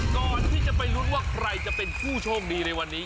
ก่อนที่จะไปลุ้นว่าใครจะเป็นผู้โชคดีในวันนี้